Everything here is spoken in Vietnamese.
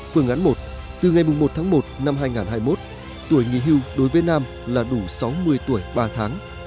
phương án một từ ngày một tháng một năm hai nghìn hai mươi một tuổi nghỉ hưu đối với nam là đủ sáu mươi tuổi ba tháng